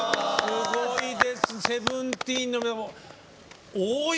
すごいですＳＥＶＥＮＴＥＥＮのはい。